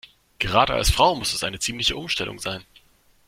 Gerade als Frau muss das eine ziemliche Umstellung sein.